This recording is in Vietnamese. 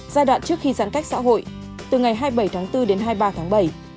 giai đoạn trước khi giãn cách xã hội từ ngày hai mươi bảy tháng bốn đến hai mươi ba tháng bảy